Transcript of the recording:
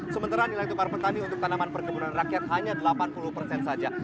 sementara nilai tukar petani untuk tanaman perkebunan rakyat hanya delapan puluh persen saja